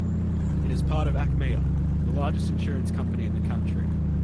It is part of Achmea, the largest insurance company in the country.